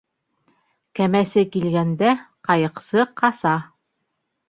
Кәмәсе килгәндә ҡайыҡсы ҡаса.